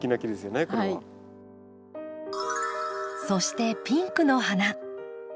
そしてピンクの花。